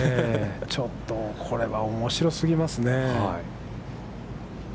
ちょっとこれはおもしろすぎますね。